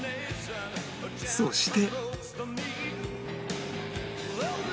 そして